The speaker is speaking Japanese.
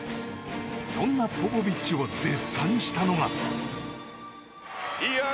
そんなポポビッチを絶賛したのが。